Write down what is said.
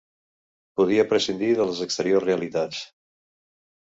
Podia prescindir de les exteriors realitats